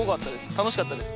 たのしかったです。